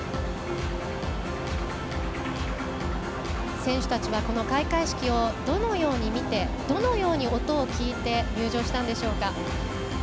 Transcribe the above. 選手たちは、開会式をどのように見てどのように音を聞いて入場したんでしょうか。